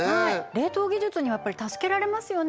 冷凍技術にはやっぱり助けられますよね